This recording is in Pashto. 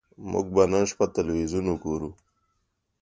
موږ به نن شپه ټلویزیون وګورو